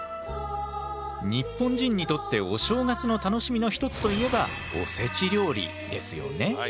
日本人にとってお正月の楽しみの一つといえばおせち料理ですよね。